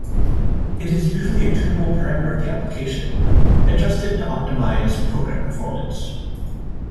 It is usually a tunable parameter of the application, adjusted to optimize program performance.